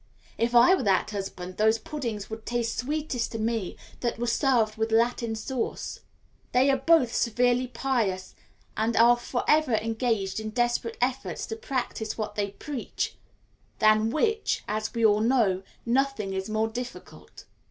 If I were that husband, those puddings would taste sweetest to me that were served with Latin sauce. They are both severely pious, and are for ever engaged in desperate efforts to practise what they preach; than which, as we all know, nothing is more difficult.